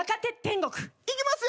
いきますよ。